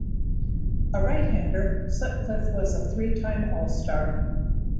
A right-hander, Sutcliffe was a three-time All-Star.